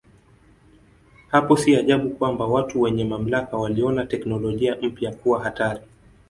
Hapo si ajabu kwamba watu wenye mamlaka waliona teknolojia mpya kuwa hatari.